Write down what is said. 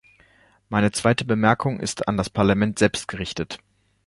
Meine zweite Bemerkung ist an das Parlament selbst gerichtet.